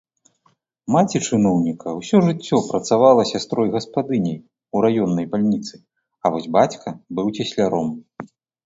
Маці чыноўніка ўсё жыццё працавала сястрой-гаспадыняй у раённай бальніцы, а вось бацька быў цесляром.